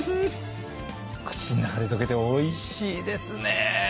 口の中で溶けておいしいですね！